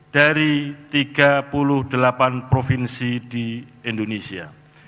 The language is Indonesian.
dari tiga puluh delapan provinsi di indonesia